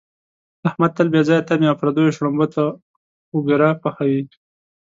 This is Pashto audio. احمد تل بې ځایه تمې او پردیو شړومبو ته اوګره پحوي.